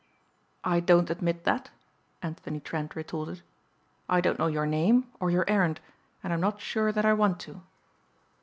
"I don't admit that," Anthony Trent retorted. "I don't know your name or your errand and I'm not sure that I want to."